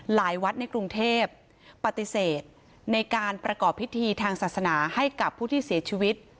หลายวัดในกรุงเทพปฏิเสธในการประกอบพิธีทางศาสนาให้กับผู้ที่เสียชีวิต